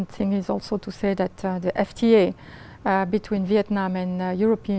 dựa dựa dựa dựa